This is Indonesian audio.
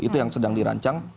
itu yang sedang dirancang